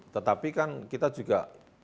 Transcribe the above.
tetapi kan kita juga